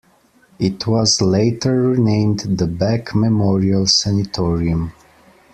It was later renamed the Beck Memorial Sanitorium.